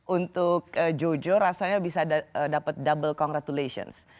untuk jojo rasanya bisa dapat double congratulations